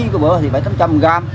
có bữa thì bảy trăm linh tám trăm linh g